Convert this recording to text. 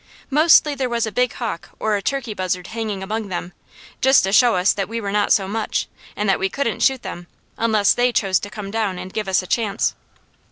Mostly there was a big hawk or a turkey buzzard hanging among them, just to show us that we were not so much, and that we couldn't shoot them, unless they chose to come down and give us a chance.